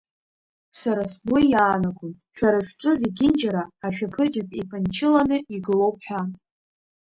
Сара сгәы иаанагон, шәара шәҿы зегьынџьара ашәаԥыџьаԥ еиԥынчыланы игылоуп ҳәа.